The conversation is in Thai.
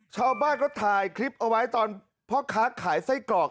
ชาวบ้านก็ถ่ายคลิปเอาไว้ตอนพ่อค้าขายไส้กรอก